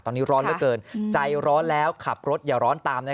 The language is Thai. ตอนนี้ร้อนเหลือเกินใจร้อนแล้วขับรถอย่าร้อนตาม